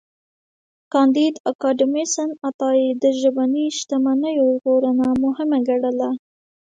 کانديد اکاډميسن عطايی د ژبني شتمنیو ژغورنه مهمه ګڼله.